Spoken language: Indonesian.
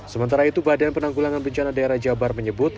sementara itu badan penanggulangan bencana daerah jabar menyebut